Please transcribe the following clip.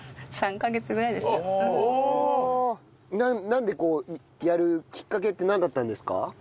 なんでこうやるきっかけってなんだったんですか？